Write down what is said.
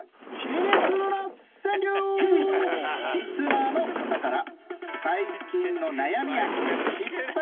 リスナーの方から。